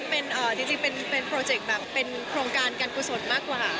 จริงเป็นโปรเจกต์แบบเป็นโครงการการกุศลมากกว่า